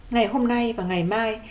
ngày hôm nay và ngày mai